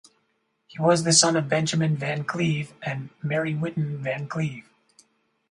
He was the son of Benjamin Van Cleve and Mary Whitten Van Cleve.